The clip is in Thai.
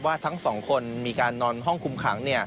ทั้งสองคนมีการนอนห้องคุมขัง